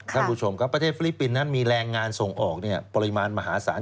ท่านผู้ชมครับประเทศฟิลิปปินส์นั้นมีแรงงานส่งออกปริมาณมหาศาล